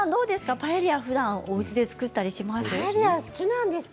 パエリアふだんおうちで作ったりしますか。